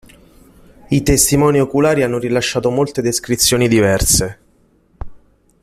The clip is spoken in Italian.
I testimoni oculari hanno rilasciato molte descrizioni diverse.